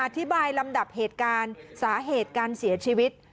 ลำดับเหตุการณ์สาเหตุการเสียชีวิต